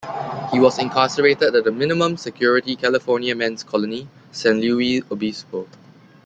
He was incarcerated at the minimum security California Men's Colony, San Luis Obispo.